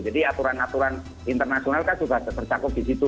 jadi aturan aturan internasional kan juga tercakup di situ